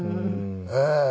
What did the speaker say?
ええ。